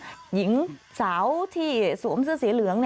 ที่เอาหน้าของหญิงสาวที่สวมเสื้อเสียเหลือง